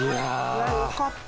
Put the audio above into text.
よかった。